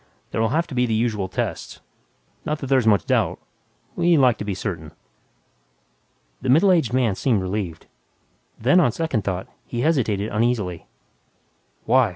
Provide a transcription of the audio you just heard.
There'll have to be the usual tests. Not that there's much doubt ... we like to be certain." The middle aged man seemed relieved. Then, on second thought, he hesitated uneasily, "Why?